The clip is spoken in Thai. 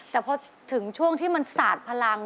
แต่พอถึงช่วงที่มันสาดพลัง